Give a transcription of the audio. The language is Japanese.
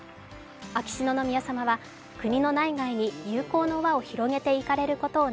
秋篠宮さまは国の内外に友好の和を広げていかれることを